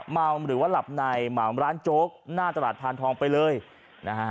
เมาหรือว่าหลับในหมามร้านโจ๊กหน้าตลาดพานทองไปเลยนะฮะ